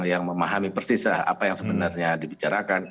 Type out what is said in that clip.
yang memahami persis apa yang sebenarnya dibicarakan